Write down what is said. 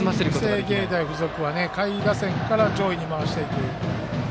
文星芸大付属は下位打線から上位に回していく。